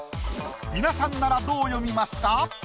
皆さんならどう詠みますか？